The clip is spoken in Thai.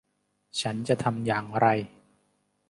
ฉันจะทำอย่างไร